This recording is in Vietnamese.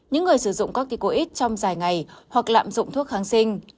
những người sử dụng corticoid trong dài ngày hoặc lạm dụng thuốc kháng sinh